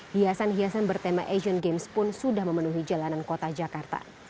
hiasan hiasan bertema asian games pun sudah memenuhi jalanan kota jakarta